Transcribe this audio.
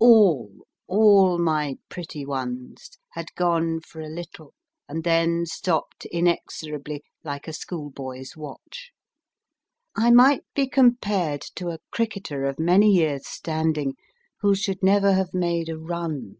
All all my pretty ones had gone for a little, and then stopped inexorably like a schoolboy s watch. I might be compared to a cricketer of many years standing who should never have made a run.